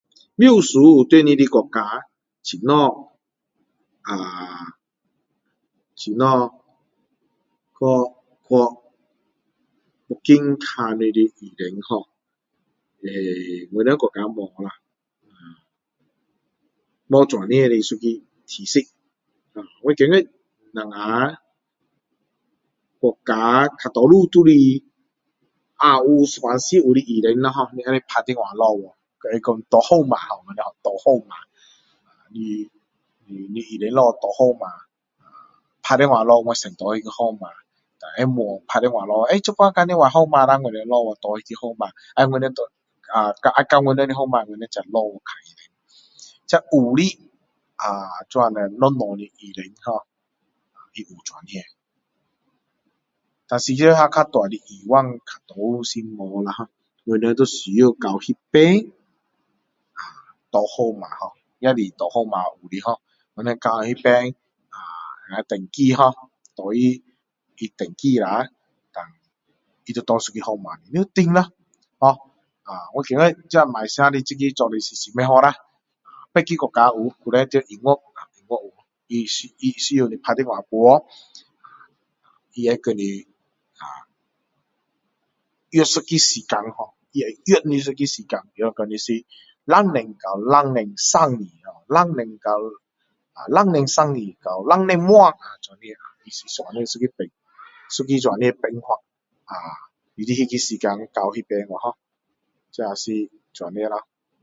描述在你的国家怎样啊怎样去去booking看你的医生ho eh我们国家没有啦没有这样的一个体系我觉得我们国家较多时候都是啊有有时候有些看医生打电话下去拿号码我们说拿号码啊你你医生下去拿号码打电话下去先拿一个号码他们会问啊现在号码到多少了啊我要拿一个号码啊要到我们的号码我们才下去看医生这有的啊这样小小的医生啊他有这样但是那较大的医院大多数是没有啦ho我们都需要到那边啊拿号码ho也是要拿号码有些的ho到那边啊我们登记ho给他们登记一下他会给你号码你要在那边等咯我觉得马来西亚这个是做得不好啦其他国家有以前在英国啊英国有他需要你打电话过去他会叫你啊约一个时间ho比如说你是两点到两点三字两点三字到两点半这样他是这样一个时间在那边ho这是这样子咯